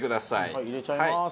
はい入れちゃいます！